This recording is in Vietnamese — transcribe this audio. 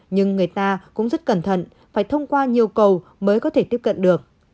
nhưng người ta cũng rất cẩn thận phải thông qua nhiều cầu mới có thể tiếp cận được